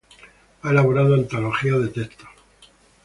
Ha elaborado antologías de textos.